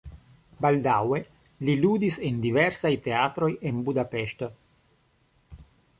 Baldaŭe li ludis en diversaj teatroj en Budapeŝto.